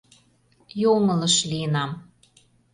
Йоҥылыш лийынам.